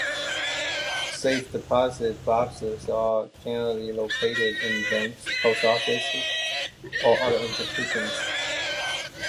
Safe deposit boxes are generally located in banks, post offices or other institutions.